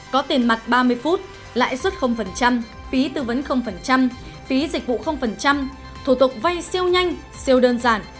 có tiền mặt ba mươi phút lãi suất phí tư vấn phí dịch vụ thủ tục vay siêu nhanh siêu đơn giản